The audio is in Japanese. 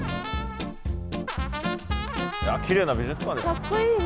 きれいな美術館ですね。